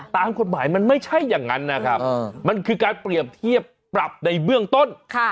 ตามกฎหมายมันไม่ใช่อย่างนั้นนะครับมันคือการเปรียบเทียบปรับในเบื้องต้น